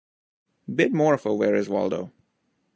Bit more of a 'Where Is Waldo?